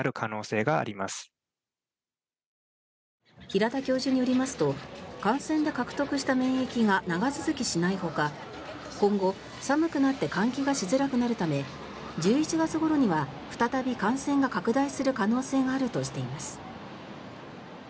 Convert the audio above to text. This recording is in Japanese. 平田教授によりますと感染で獲得した免疫が長続きしないほか今後、寒くなって換気がしづらくなるため１１月ごろには再び感染が拡大する可能性があるとしています。